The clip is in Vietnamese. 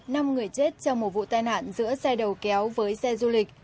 năm người chết trong một vụ tai nạn giữa xe đầu kéo với xe du lịch